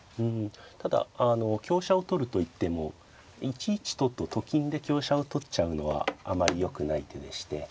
ただ香車を取るといっても１一ととと金で香車を取っちゃうのはあまりよくない手でして。